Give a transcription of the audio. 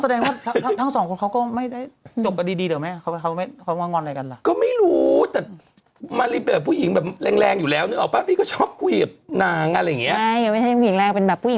แสดงว่าทั้งสองคนเขาก็ไม่ได้หยุดกันได้ดีดีเหรอไม่